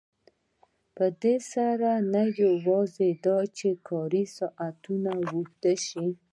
په دې سره نه یوازې دا چې کاري ساعتونه اوږده شي